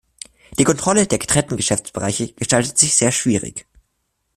Die Kontrolle der getrennten Geschäftsbereiche gestaltet sich sehr schwierig.